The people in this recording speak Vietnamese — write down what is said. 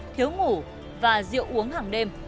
thiếu ngủ và rượu uống hàng đêm